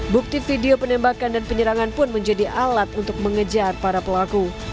bukti video penembakan dan penyerangan pun menjadi alat untuk mengejar para pelaku